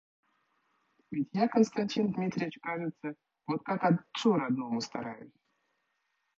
Ведь я, Константин Дмитрич, кажется, вот как отцу родному стараюсь.